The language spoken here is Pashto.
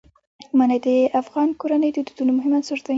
منی د افغان کورنیو د دودونو مهم عنصر دی.